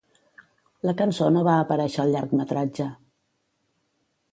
La cançó no va aparéixer al llargmetratge.